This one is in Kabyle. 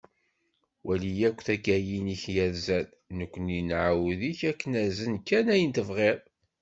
Wali akk taggayin i k-yerzan, nekkni newɛed-ik ak-d-nazen kan ayen tebɣiḍ.